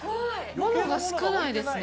物が少ないですね。